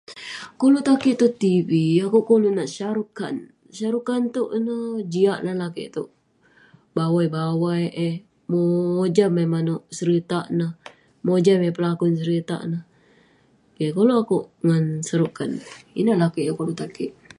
Koluk tan kik tong tv, akouk koluk nat sharukan. Sharukan iteuk ineh, jiak nat lakeik ineh. Bawai-bawai eh. Mojam eh manouk seritak ne. Mojam eh belakon seritak ne. Keh. Kolouk akouk ngan sharukan. Ineh lakeij yah koluk tan kik.